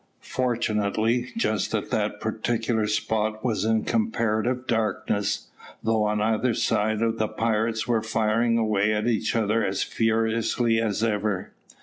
Fortunately, just that particular spot was in comparative darkness, though on either side the pirates were firing away at each other as furiously as ever.